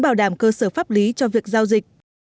làm cơ sở pháp lý cho việc giao dịch